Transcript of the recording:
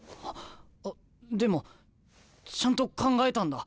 あっでもちゃんと考えたんだ。